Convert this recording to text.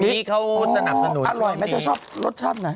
๑๐๘๐นิดเขาสนับสนุกงั้นอร่อยไหมเธอชอบรสชาติไหน